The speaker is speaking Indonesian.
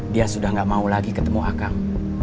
dia sudah gak mau lagi ketemu akang